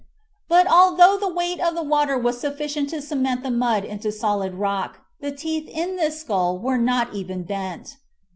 But, although the weight of the water was sufficient to cement the mud into solid rock, the teeth in this skull were not even bent.